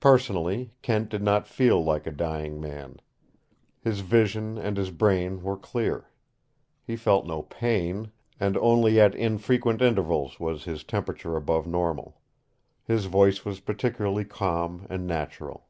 Personally, Kent did not feel like a dying man. His vision and his brain were clear. He felt no pain, and only at infrequent intervals was his temperature above normal. His voice was particularly calm and natural.